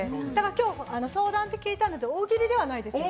今日、相談って聞いたんですけど大喜利じゃないんですよね。